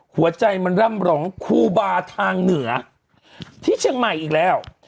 หัวใจมันร่ำรองครูบาทางเหนือที่เชียงใหม่อีกแล้ว